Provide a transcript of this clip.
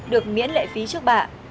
được miễn lệ phí trước bạ